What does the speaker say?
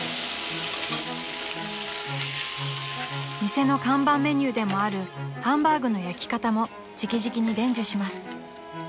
［店の看板メニューでもあるハンバーグの焼き方も直々に伝授します］